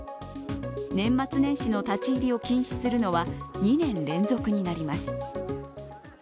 年末年始の立ち入りを禁止するのは２年連続になります。